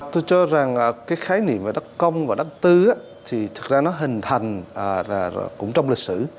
tôi cho rằng cái khái niệm về đất công và đất tư thì thực ra nó hình thành cũng trong lịch sử